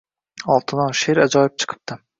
Oltinoy, sheʼr ajoyib chiqibdi